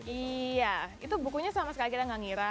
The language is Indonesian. iya itu bukunya sama sekali kita gak ngira